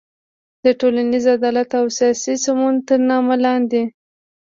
د ټولنیز عدالت او سیاسي سمون تر نامه لاندې